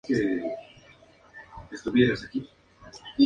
La publicación de su libro "The Commercial Empire of the St.